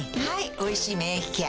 「おいしい免疫ケア」